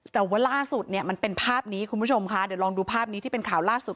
แต่ว่าล่าสุดเนี่ยมันเป็นภาพนี้คุณผู้ชมค่ะเดี๋ยวลองดูภาพนี้ที่เป็นข่าวล่าสุด